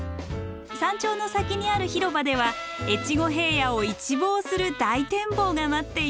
山頂の先にある広場では越後平野を一望する大展望が待っています。